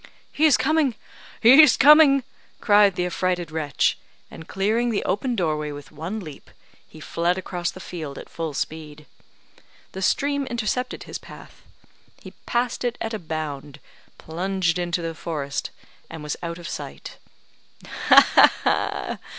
"He is coming! he is coming!" cried the affrighted wretch; and clearing the open doorway with one leap, he fled across the field at full speed. The stream intercepted his path he passed it at a bound, plunged into the forest, and was out of sight. "Ha, ha, ha!"